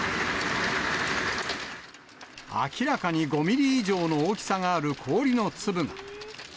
明らかに５ミリ以上の大きさがある氷の粒が。